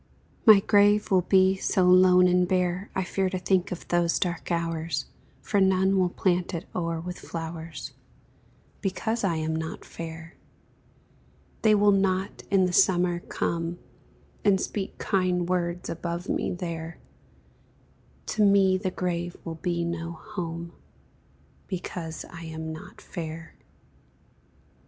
My grave will be so lone and bare, I fear to think of those dark hours, For none will plant it o'er with flowers, Because I am not fair; They will not in the summer come And speak kind words above me there; To me the grave will be no home, Because I am not fair.